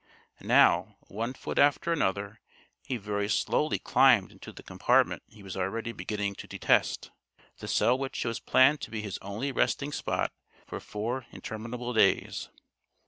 Now, one foot after another, he very slowly climbed into the compartment he was already beginning to detest the cell which was planned to be his only resting spot for four interminable days.